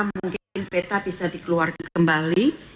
mungkin peta bisa dikeluarkan kembali